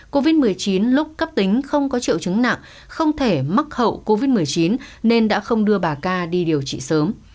covid một mươi chín lúc cấp tính không có triệu chứng nặng không thể mắc hậu covid một mươi chín nên đã không đưa bà ca đi điều trị sớm